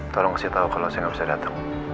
tolong kasih tau kalau saya gak bisa datang